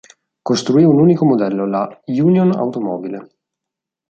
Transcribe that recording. Costruì un unico modello, la "Union automobile".